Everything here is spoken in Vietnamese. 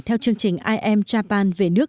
theo chương trình i am japan về nước